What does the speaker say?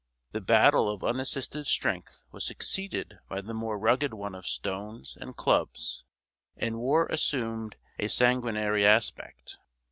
The battle of unassisted strength was succeeded by the more rugged one of stones and clubs, and war assumed a sanguinary aspect.